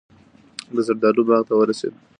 د زردالو باغ ته ورسېد.